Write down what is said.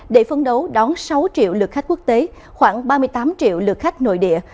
để phấn đấu đón sáu triệu lượt khách quốc tế khoảng ba mươi tám triệu lượt khách nội địa